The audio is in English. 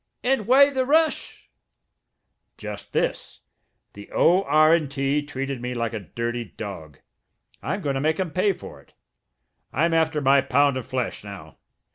"And why the rush?" "Just this: The O.R.& T. treated me like a dirty dog. I'm going to make 'em pay for it; I'm after my pound of flesh now!